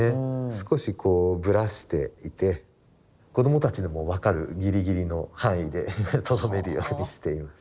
少しこうぶらしていて子供たちでも分かるギリギリの範囲でとどめるようにしています。